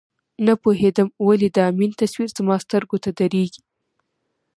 نه پوهېدم ولې د امین تصویر زما سترګو ته درېږي.